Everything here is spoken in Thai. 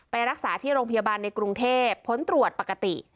รักษาที่โรงพยาบาลในกรุงเทพผลตรวจปกติ